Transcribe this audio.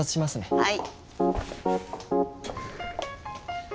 はい。